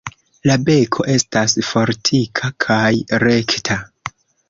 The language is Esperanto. La beko estas fortika kaj rekta.